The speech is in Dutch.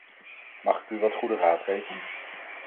Mag ik u wat goede raad geven?